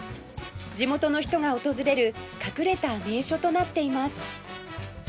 地元の人が訪れる隠れた名所となっています